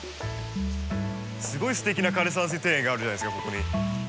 すごいすてきな枯れ山水庭園があるじゃないですかここに。